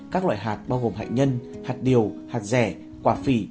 các loại hạt bao gồm hạt nhân hạt điều hạt rẻ quả phỉ